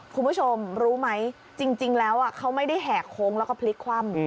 คุณผู้ชมรู้ไหมจริงแล้วเขาไม่ได้แห่โค้งแล้วก็พลิกคว่ำ